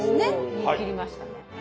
言い切りましたね。